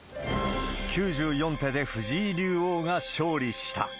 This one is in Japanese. ９４手で藤井竜王が勝利した。